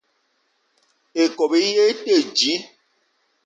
Ikob í yé í te dji.